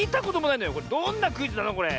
これどんなクイズなのこれ？